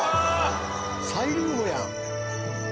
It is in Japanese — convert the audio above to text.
サイリウムやん。